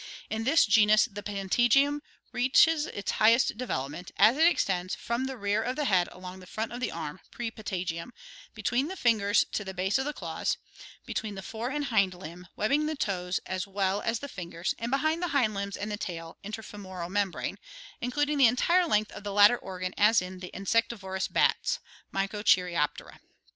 In this genus the patagium reaches its highest development, as it extends from the rear of the head along the front of the arm (prepatagium), between the fingers to the base of the claws, between the fore and hind limb, webbing the toes as well Fig. 90. — Bats. A, insectivorous, Vespertilio nocitda; B, frugivorous, Pteropus sp. (After Lull.) as the fingers, and between the hind limbs and the tail (interfemoral membrane), including the entire length of the latter organ as in the insectivorous bats (Microcheiroptera).